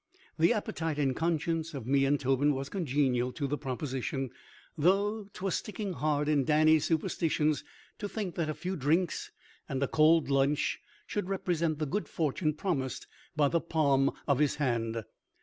The appetite and conscience of me and Tobin was congenial to the proposition, though 'twas sticking hard in Danny's superstitions to think that a few drinks and a cold lunch should represent the good fortune promised by the palm of his hand.